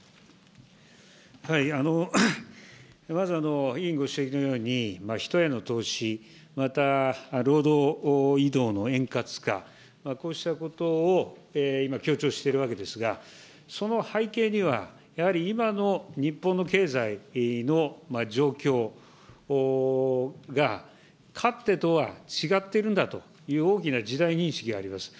まず、委員ご指摘のように、人への投資、また労働移動の円滑化、こうしたことを今、強調しているわけですが、その背景には、やはり今の日本の経済の状況が、かつてとは違ってるんだという大きな時代認識があります。